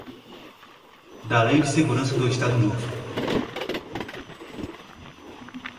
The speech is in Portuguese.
da Lei de Segurança do Estado Novo